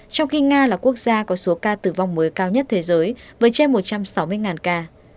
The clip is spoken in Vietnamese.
trong khi nga là quốc gia có số ca tử vong mới cao nhất thế giới với trên một trăm sáu mươi ca